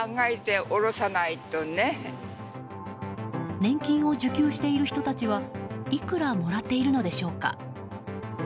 年金を受給している人たちはいくらもらっているのでしょうか。